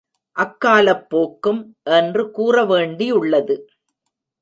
அக்காலப் போக்கும் என்று கூற வேண்டியுள்ளது.